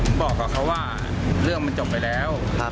มีประวัติศาสตร์ที่สุดในประวัติศาสตร์